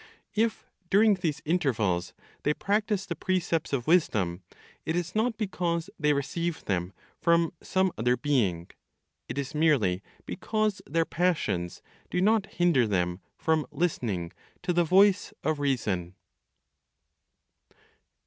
If, during these intervals, they practice the precepts of wisdom, it is not because they receive them from some other being, it is merely because their passions do not hinder them from listening to the voice of reason.